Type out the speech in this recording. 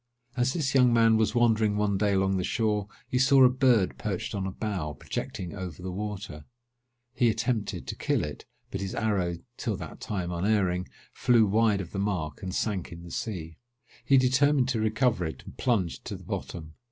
As this young man was wandering one day along the shore, he saw a bird perched on a bough, projecting over the water. He attempted to kill it; but his arrow, till that time unerring, flew wide of the mark, and sank in the sea. He determined to recover it, and plunged to the bottom.